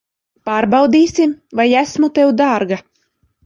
Pārbaudīsim, vai esmu tev dārga.